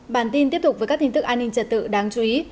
bản tin tiếp tục với các tin tức an ninh trật tự đáng chú ý